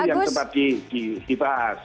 itu yang sempat dibahas